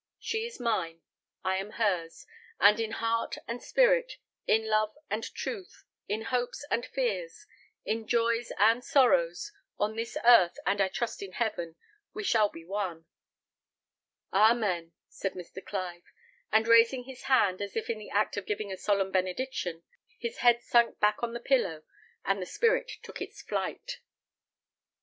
She is mine; I am hers; and in heart and spirit, in love and truth, in hopes and fears, in joys and sorrows, on this earth and I trust in heaven, we shall be one." "Amen!" said Mr. Clive; and raising his hand, as if in the act of giving a solemn benediction, his head sunk back on the pillow, and the spirit took its flight.